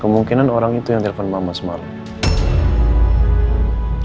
kemungkinan orang itu yang telepon mama semalam